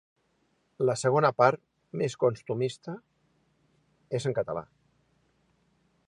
La segona part, més costumista, és en català.